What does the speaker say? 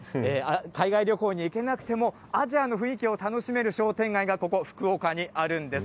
海外旅行に行けなくても、アジアの雰囲気を楽しめる商店街がここ、福岡にあるんです。